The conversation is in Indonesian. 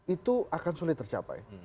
itu akan sulit tercapai